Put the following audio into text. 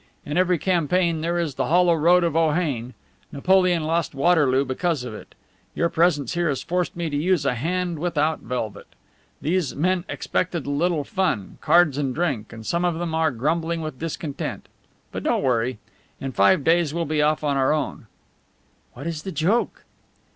In every campaign there is the hollow road of Ohain. Napoleon lost Waterloo because of it. Your presence here has forced me to use a hand without velvet. These men expected a little fun cards and drink; and some of them are grumbling with discontent. But don't worry. In five days we'll be off on our own." "What is the joke?"